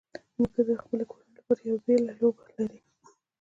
نیکه د خپلې کورنۍ لپاره یو بېلې لوبه لري.